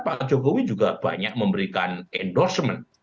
pak jokowi juga banyak memberikan endorsement